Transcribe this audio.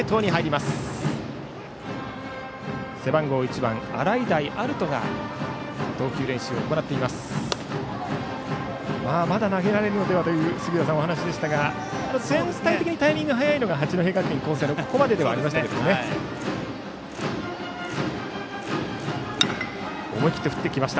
まだ投げられるのではというお話でしたが全体的にタイミングが早いのが八戸学院光星のここまでではあります。